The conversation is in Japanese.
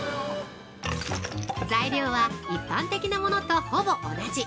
材料は一般的なものとほぼ同じ。